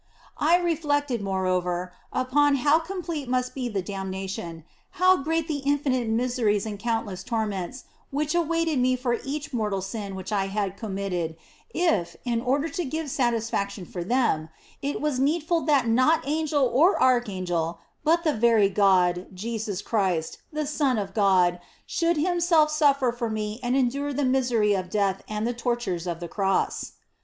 OF FOLIGNO 213 I reflected, moreover, upon how complete must be the damnation, how great the infinite miseries and countless torments which awaited me for each mortal sin which I had committed, if, in order to give satisfac tion for them, it was needful that not angel or archangel, but the very God, Jesus Christ, the Son of God, should Himself suffer for me and endure the misery of death and the tortures of the Cross.